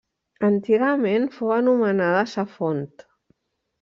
Antigament fou anomenada Sa Font.